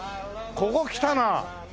ここ来たな。